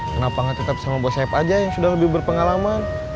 kenapa gak tetap sama bos saeb aja yang sudah lebih berpengalaman